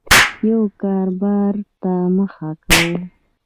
یو کاربار ته مخه کوو